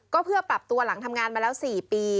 ก็เพื่อปรับตัวหลังทำงานมาแล้ว๔ปี